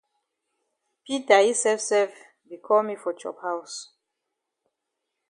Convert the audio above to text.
Peter yi sef sef be call me for chop haus.